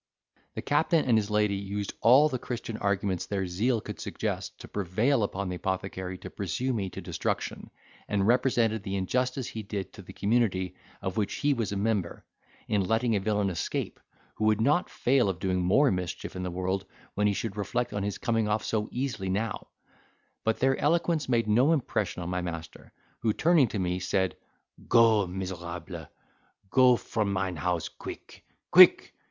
The captain and his lady used all the Christian arguments their zeal could suggest to prevail upon the apothecary to pursue me to destruction, and represented the injustice he did to the community of which he was a member, in letting a villain escape, who would not fail of doing more mischief in the world when he should reflect on his coming off so easily now; but their eloquence made no impression on my master, who turning to me said, "Go, miserable, go from mine house quick, quick!